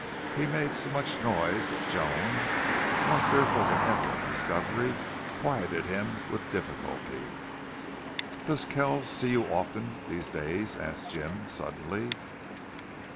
He made so much noise that Joan, more fearful than ever of discovery, quieted him with difficulty. "Does Kells see you often these days?" asked Jim, suddenly.